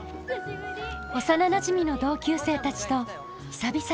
幼なじみの同級生たちと久々に再会。